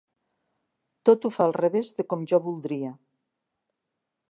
Tot ho fa al revés de com jo voldria.